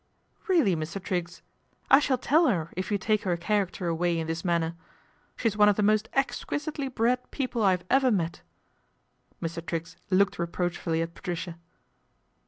Really, Mr. Triggs ! I shall tell her if you take er character away in this manner. She's one f the most exquisitely bred people I have ever let." Mr. Triggs looked reproachfully at Patricia.